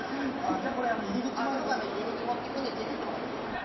じゃあ僕入り口持っていくんでついてきてもらっていいですか？